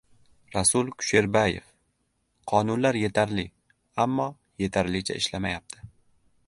Rasul Kusherbaev: "Qonunlar yetarli, ammo yetarlicha ishlamayapti..."